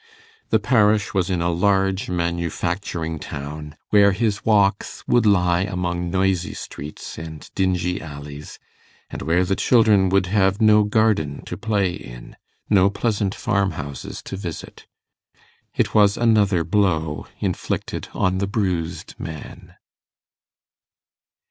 The parish was in a large manufacturing town, where his walks would lie among noisy streets and dingy alleys, and where the children would have no garden to play in, no pleasant farm houses to visit. It was another blow inflicted on the bruised man.